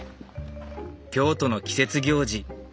京都の季節行事